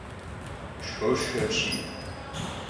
Şşxoşşx apşiy!